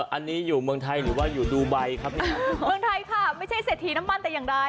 อันนี้อยู่เมืองไทยหรือว่าอยู่ดูไบครับเนี่ยเมืองไทยค่ะไม่ใช่เศรษฐีน้ำมันแต่อย่างใด